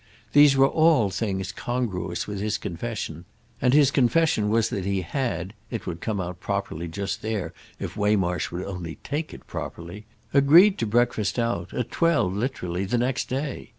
These all were things congruous with his confession, and his confession was that he had—it would come out properly just there if Waymarsh would only take it properly—agreed to breakfast out, at twelve literally, the next day.